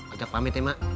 ojak pamit ya mak